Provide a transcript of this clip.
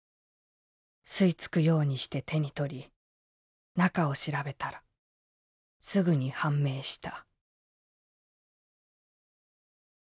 吸い付くようにして手に取り中を調べたらすぐに判明した」。